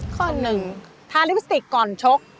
ข้อหนึ่งทาลิปสติกก่อนชก